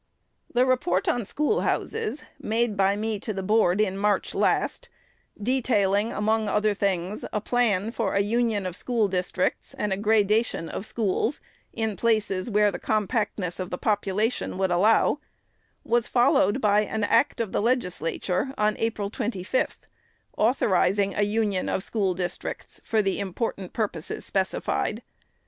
The report on Schoolhouses, made by me to the Board in March last, detailing, among other things, a plan for a union of school districts and a gradation of schools, in places where the compactness of the population would allow, was followed by the act of the Legislature of April 25th, authorizing a union of school districts for the important purposes specified.